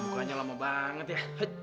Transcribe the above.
bukannya lama banget ya